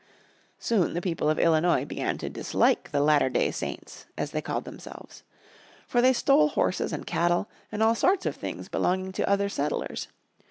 Soon the people of Illinois began to dislike the Latter day Saints, as they called themselves. For they stole horses and cattle and all sorts of things belonging to other settlers.